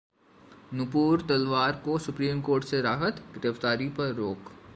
नूपुर तलवार को Supreme Court से राहत, गिरफ्तारी पर रोक